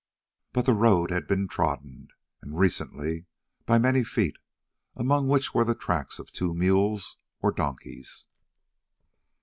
But the road had been trodden, and recently, by many feet, among which were the tracks of two mules or donkeys.